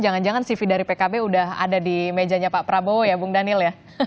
jangan jangan cv dari pkb udah ada di mejanya pak prabowo ya bung daniel ya